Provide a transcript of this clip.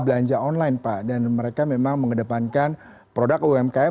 belanja online pak dan mereka memang mengedepankan produk umkm